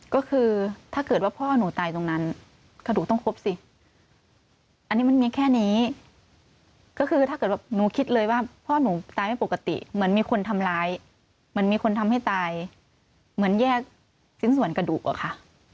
ก็คือถ้าเกิดว่าพ่อหนูตายตรงนั้นกระดูกต้องครบสิอันนี้มันมีแค่นี้ก็คือถ้าเกิดว่าหนูคิดเลยว่าพ่อหนูตายไม่ปกติเหมือนมีคนทำร้ายเหมือนมีคนทำให้ตายเหมือนแยกชิ้นส่วนกระดูกอะค่ะ